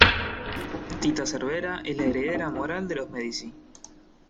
Tita Cervera es la heredera moral de los Medici.